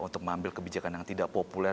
untuk mengambil kebijakan yang tidak populer